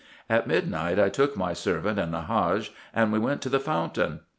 At midnight, I took my servant and the Hadge, and went to the fountain.